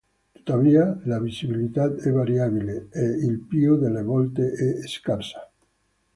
Tuttavia la visibilità è variabile e il più delle volte è scarsa.